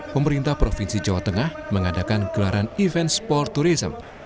pemerintah provinsi jawa tengah mengadakan gelaran event sport tourism